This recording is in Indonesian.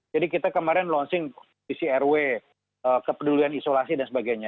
jadi kita kemarin launching di crw kepedulian isolasi dan sebagainya